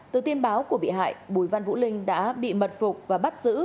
từ tin báo của bị hại bùi văn vũ linh đã bị mật phục và bắt giữ